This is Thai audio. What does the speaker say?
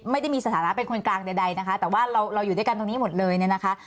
ไม่ได้มีสถานะเป็นคนกลางใดนะคะแต่ว่าเราอยู่ด้วยกันตรงนี้หมดเลยเนี่ยนะคะ